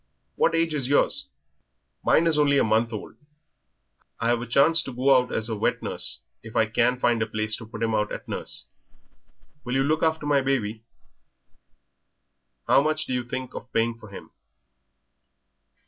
What age is yours?" "Mine is only a month old. I've a chance to go out as wet nurse if I can find a place to put him out at nurse. Will you look after my baby?" "How much do you think of paying for him?"